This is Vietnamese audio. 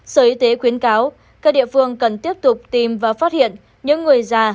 sở y tế khuyến cáo các địa phương cần tiếp tục tìm và phát hiện những người già